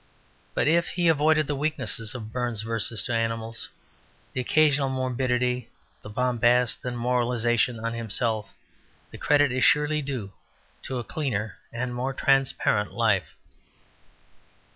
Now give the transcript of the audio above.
But if he avoided the weakness of Burns' verses to animals, the occasional morbidity, bombast and moralisation on himself, the credit is surely due to a cleaner and more transparent life.